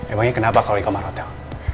emangnya kenapa kalau di kamar hotel